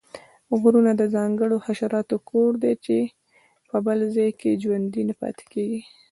غرونه د ځانګړو حشراتو کور دی چې په بل ځاې کې ژوندي نه پاتیږي